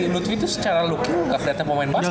ludwig tuh secara look nya gak keliatan pemain basket sih